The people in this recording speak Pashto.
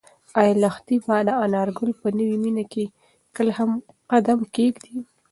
ایا لښتې به د انارګل په نوې مېنه کې کله هم قدم کېږدي؟